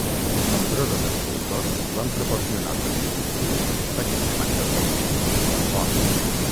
Nombrosos escultors van proporcionar les escultures que destaquen de manera prominent en el pont.